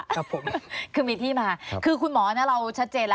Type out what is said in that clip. ครับผมก็ได้ที่มาค่ะคือคุณหมอเราชัดเจนล่ะ